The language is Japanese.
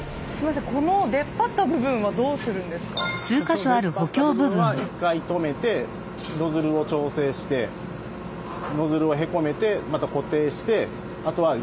その出っ張った部分は一回止めてノズルを調整してノズルをへこめてまた固定してあとはゆっくり切っていって。